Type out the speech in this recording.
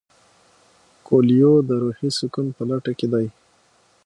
کویلیو د روحي سکون په لټه کې دی.